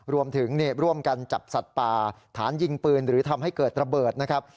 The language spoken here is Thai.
รวมถึงร่วมกันจับสัตว์ป่าฐานยิงปืนหรือทำให้เกิดระเบิดนะครับ